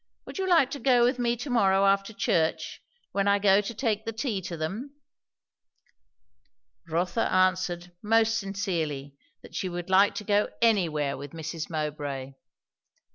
Would you like to go with me to morrow, after church, when I go to take the tea to them?" Rotha answered, most sincerely, that she would like to go anywhere with Mrs. Mowbray.